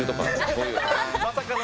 こういう。